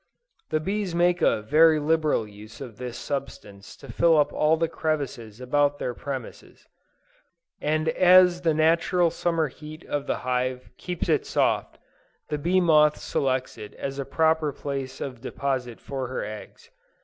The bees make a very liberal use of this substance to fill up all the crevices about their premises: and as the natural summer heat of the hive keeps it soft, the bee moth selects it as a proper place of deposit for her eggs.